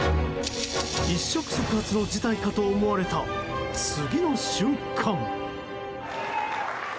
一触即発の事態かと思われた次の瞬間。